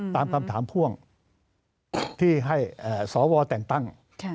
ตามคำถามพ่วงที่ให้สวแต่งตั้ง